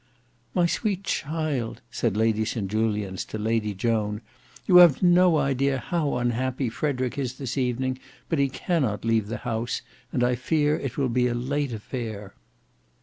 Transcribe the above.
"My sweet child!" said Lady St Julians to Lady Joan, "you have no idea how unhappy Frederick is this evening, but he cannot leave the House, and I fear it will be a late affair."